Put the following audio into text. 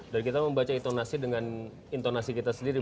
dan kita membaca intonasi dengan intonasi kita sendiri